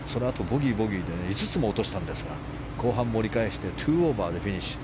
ボギー、ボギーで５つも落としたんですが後半、盛り返して２オーバーでフィニッシュ。